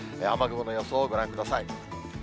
雨雲の予想をご覧ください。